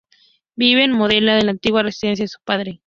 Vive en Módena, en la antigua residencia de su padre.